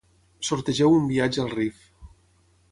Sortegeu un viatge al Rif.